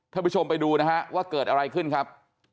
ท่านผู้ชมไปดูนะฮะว่าเกิดอะไรขึ้นครับ